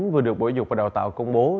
vừa được bộ dục và đào tạo công bố